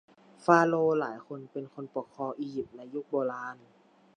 ฟาโรห์หลายคนเป็นคนปกครองอิยิปต์ในยุคโบราณ